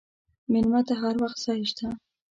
مېلمه ته هر وخت ځای شته.